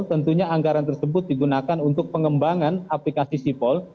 tentunya anggaran tersebut digunakan untuk pengembangan aplikasi sipol